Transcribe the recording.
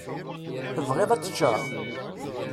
Tebɣiḍ ad teččeḍ?